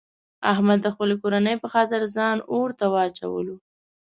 احمد د خپلې کورنۍ په خاطر ځان اورته واچولو.